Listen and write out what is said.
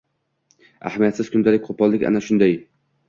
Ahamiyatsiz kundalik qo‘pollik ana shunday.